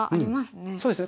そうですね